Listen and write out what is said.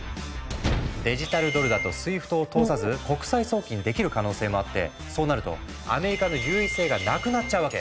デジタルドルだとＳＷＩＦＴを通さず国際送金できる可能性もあってそうなるとアメリカの優位性がなくなっちゃうわけ。